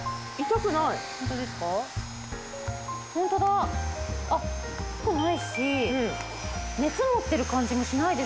痛くないし熱持ってる感じもしないですね。